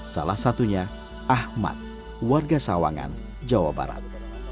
salah satunya ahmad warga sawangan jawa barat